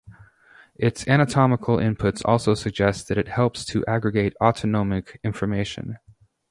Its anatomical inputs also suggest that it helps to aggregate autonomic information.